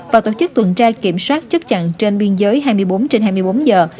và tổ chức tuần tra kiểm soát chất chặn trên biên giới hai mươi bốn trên hai mươi bốn giờ